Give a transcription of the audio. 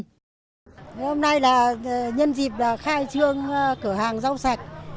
hôm nay là nhân dịp khai trương cửa hàng rau sạch